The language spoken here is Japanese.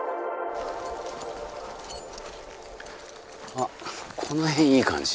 あっこの辺いい感じ。